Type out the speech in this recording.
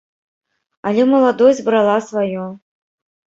Але маладосць брала сваё.